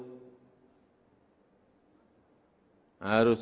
kemampuan yang harus diperlukan